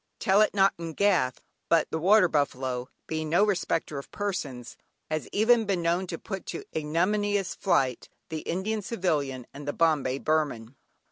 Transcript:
"Tell it not in Gath" but the water buffalo, being no respector of persons, has even been known to put to ignominious flight the "Indian Civilian" and the "Bombay Burman."